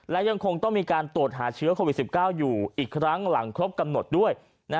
และยังคงต้องมีการตรวจหาเชื้อโควิด๑๙อยู่อีกครั้งหลังครบกำหนดด้วย